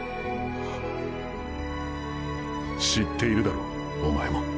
知っているだろうおまえも。